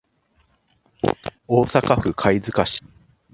大阪府貝塚市